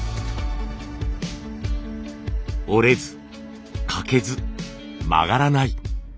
折れず欠けず曲がらない。